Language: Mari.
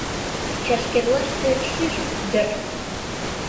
Чашкерлаште шӱшпык дыр